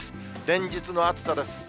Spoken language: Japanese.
連日の暑さです。